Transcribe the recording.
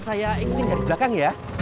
saya ikutin dari belakang ya